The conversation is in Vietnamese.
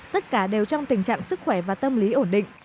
tất cả đều trong tình trạng sức khỏe và tâm lý ổn định